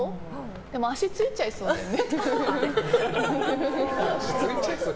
でも、足ついちゃいそうだよね。